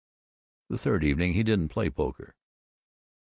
The third evening, he didn't play poker.